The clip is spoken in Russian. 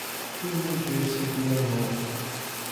Ты мучаешься и о нем.